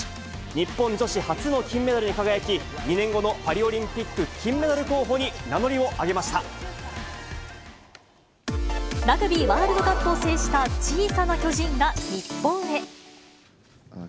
日本女子初の金メダルに輝き、２年後のパリオリンピック、金メダル候補に名乗りを上げましラグビーワールドカップを制こんにちは。